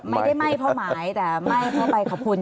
ไม่ได้ไหม้เพราะหมายแต่ไหม้เพราะใบขอบคุณ